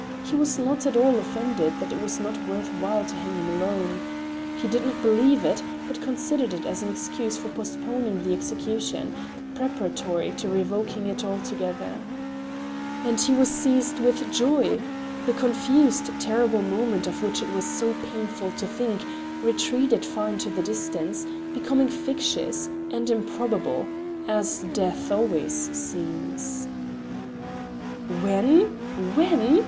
He was not at all offended that it was not worth while to hang him alone. He did not believe it, but considered it as an excuse for postponing the execution, preparatory to revoking it altogether. And he was seized with joy; the confused, terrible moment, of which it was so painful to think, retreated far into the distance, becoming fictitious and improbable, as death always seems. "When? When?"